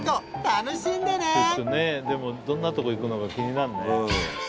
楽しんでねでもどんなとこ行くのか気になるね。